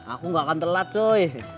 aku nggak akan telat cuy